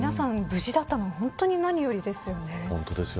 無事だったのが本当に、何よりですよね。